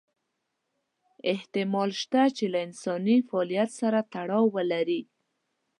احتمال شته چې له انساني فعالیت سره تړاو ولري.